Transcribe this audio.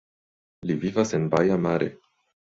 Li vivas en Baia Mare.